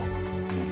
うん。